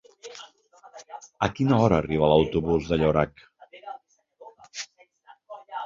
A quina hora arriba l'autobús de Llorac?